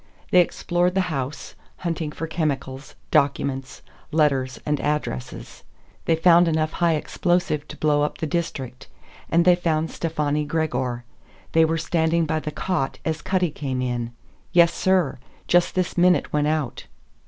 They explored the house, hunting for chemicals, documents, letters, and addresses. They found enough high explosive to blow up the district. And they found Stefani Gregor. They were standing by the cot as Cutty came in. "Yes, sir. Just this minute went out."